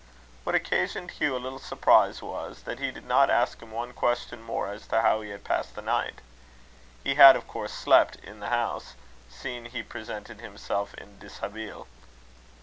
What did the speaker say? What occasioned Hugh a little surprise; was, that he did not ask him one question more as to how he had passed the night. He had, of course, slept in the house, seeing he presented himself in deshabille.